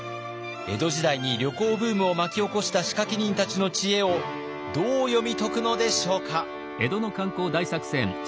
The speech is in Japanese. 江戸時代に旅行ブームを巻き起こした仕掛け人たちの知恵をどう読み解くのでしょうか。